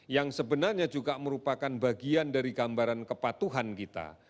yang sebenarnya juga merupakan bagian dari gambaran kepatuhan kita